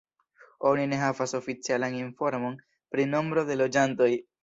Oni ne havas oficialan informon pri nombro de loĝantoj.